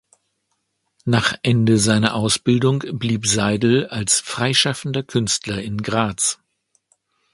Nach Ende seiner Ausbildung blieb Seidl als freischaffender Künstler in Graz.